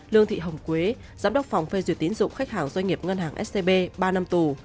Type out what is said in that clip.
lương thị hồng quế giám đốc phòng phê duyệt tiến dụng khách hàng doanh nghiệp ngân hàng scb ba năm tù